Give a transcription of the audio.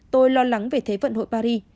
tôi lo lắng về thế vận hội paris